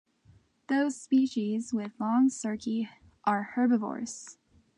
Those species with long cerci are herbivorous.